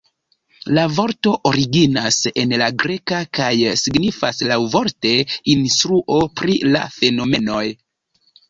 La vorto originas en la greka kaj signifas laŭvorte "instruo pri la fenomenoj".